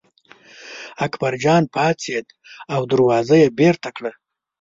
اکبرجان پاڅېد او دروازه یې بېرته کړه.